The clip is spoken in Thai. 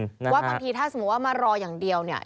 ว่าบางทีถ้าสมมุติว่ามารออย่างเดียวเนี่ย